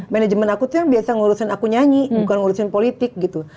manajemen aku tuh yang biasa ngurusin aku nyanyi bukan ngurusin politik gitu